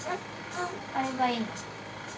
あれがいいの？